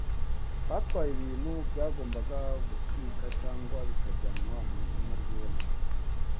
Batwaye ibintu byagombaga gutwikwa cyangwa bikajyanwa mu ihema ry’ibonaniro